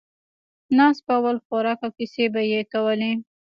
ناست به ول، خوراک او کیسې به یې کولې.